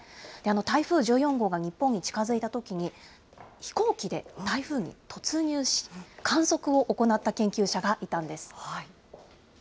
台風１４号が日本に近づいたときに、飛行機で台風に突入し、観測を行った研究者がいたんです。